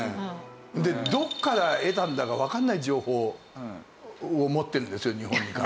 でどこから得たんだかわかんない情報を持ってるんですよ日本に関する。